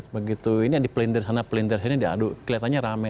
begitu ini ada pelintir sana pelintir sini diadu kelihatannya rame